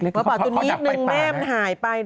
เมื่อป่าวตัวนี้นึงแม่มันหายไป